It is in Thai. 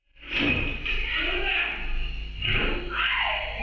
มีคนร้องบอกให้ช่วยด้วยก็เห็นภาพเมื่อสักครู่นี้เราจะได้ยินเสียงเข้ามาเลย